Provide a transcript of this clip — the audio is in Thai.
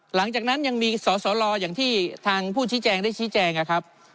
หลังจากนั้นยังมีสอสอรออย่างที่ทางผู้ชี้แจงได้ชี้แจงนะครับ